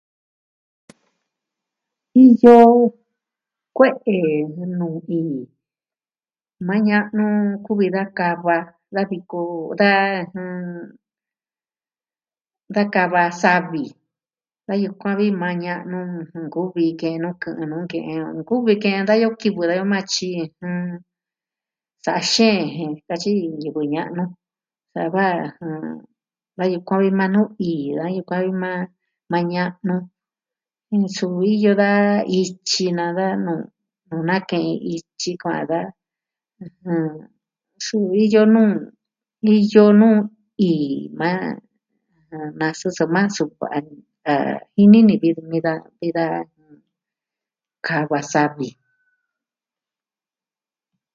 Iyo kue'e nuu ii. Maa ña'nu kuvi da kava da viko... da... da kava savi. Da yukuan vi maa ña'nu, jɨn, nkuvi ke'en nu kɨ'ɨn nu. Nkuvi kɨ'ɨn dayoo kivɨ dayoo maa tyi sa xeen je, katyi ñivɨ ña'nu. Sava, jɨn da yukuan vu maa nuu ii, da yukuan vi maa ña'nu. Nsuu iyo da ityi na da nuu. Nuu na kee iktyi kua'an da. ɨjɨn... iyo nuu, iyuo nuu ii maa, nasɨ soma sukuan ah, nini vi da kava savi.